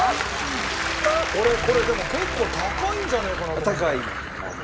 俺これでも結構高いんじゃねえかなと思ってたの。